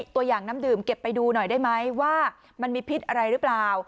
ตัวอย่างน้ำดื่มเก็บไปดูหน่อยได้ไหมว่ามันมีพิษอะไรหรือเปล่า